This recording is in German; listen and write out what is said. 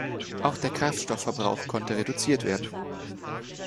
Auch der Kraftstoffverbrauch konnte reduziert werden.